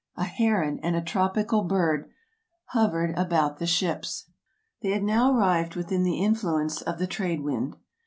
A heron and a tropical bird hovered about the ships. They had now arrived within the influence of the trade wind.